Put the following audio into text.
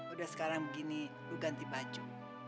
udah sekarang begini gue ganti baju